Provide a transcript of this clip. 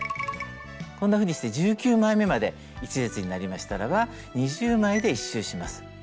こんなふうにして１９枚めまで１列になりましたらば２０枚で１周します。